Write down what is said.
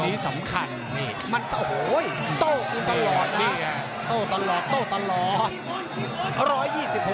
อันนี้สำคัญโต้คุณตลอดนะโต้ตลอด